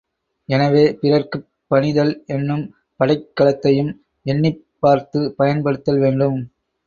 எனவே, பிறர்க்குப் பணிதல் என்னும் படைக் கலத்தையும் எண்ணிப் பார்த்துப் பயன் படுத்தல் வேண்டும்.